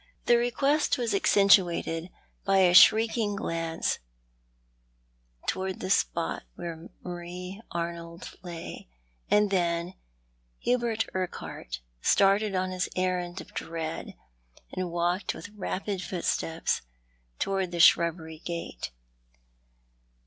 The request was accentuated by a shrinking glance towards the spot where Marie Arnold lay ; and then Hubert Urquhart started on his errand of dread, and walked with rapid footsteps towards the shrubbery gate.